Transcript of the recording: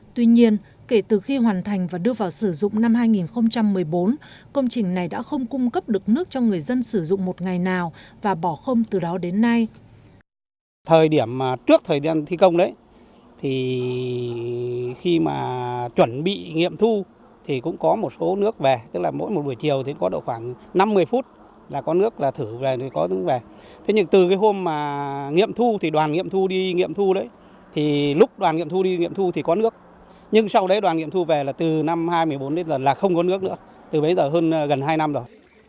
tuy nhiên kể từ khi hoàn thành và đưa vào sử dụng năm hai nghìn một mươi bốn công trình này đã không cung cấp được nước cho người dân sử dụng một ngày nào và bỏ không từ đó đến nay